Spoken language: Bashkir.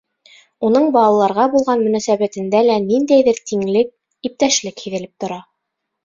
Уның балаларға булған мөнәсәбәтендә лә ниндәйҙер тиңлек, иптәшлек һиҙелеп тора.